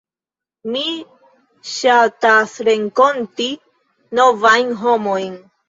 Mi ŝatasrenkonti novajn homojn.